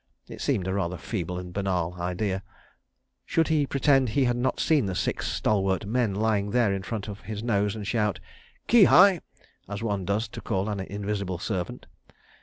It seemed a rather feeble and banal idea. Should he pretend he had not seen the six stalwart men lying there in front of his nose, and shout: "Qui hai!" as one does to call an invisible servant?